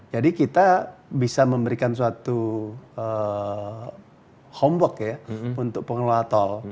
jadi kita bisa memberikan suatu homework ya untuk pengelola tol